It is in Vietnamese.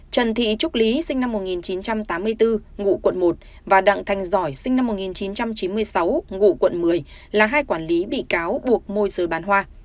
trần thị trúc lý sinh năm một nghìn chín trăm tám mươi bốn ngụ quận một và đặng thành giỏi sinh năm một nghìn chín trăm chín mươi sáu ngụ quận một mươi là hai quản lý bị cáo buộc môi giới bán hoa